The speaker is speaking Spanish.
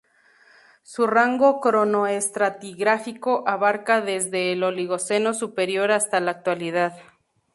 Su rango cronoestratigráfico abarca desde el Oligoceno superior hasta la Actualidad.